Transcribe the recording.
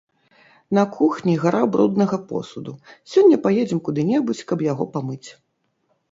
На кухні гара бруднага посуду, сёння паедзем куды-небудзь, каб яго памыць.